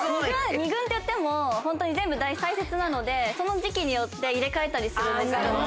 ２軍っていってもホントに全部大切なのでその時期によって入れ替えたりするんですけど。